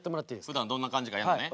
ふだんどんな感じかやんのね。